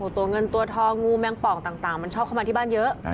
ตัวเงินตัวทองงูแมงปองต่างมันชอบเข้ามาที่บ้านเยอะ